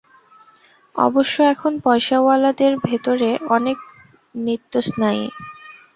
অবশ্য এখন পয়সাওয়ালাদের ভেতর অনেকে নিত্যস্নায়ী।